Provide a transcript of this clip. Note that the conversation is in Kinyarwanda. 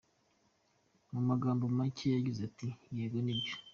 Mu magambo macye yagize ati “ Yego nibyo.